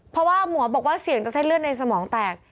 เพราะว่าหมอบอกว่าเสี่ยงต่อเส้นเลือดในสมองแตก